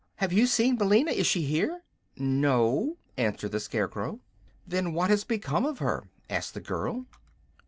Have you seen Billina? Is she here?" "No," answered the Scarecrow. "Then what has become of her?" asked the girl.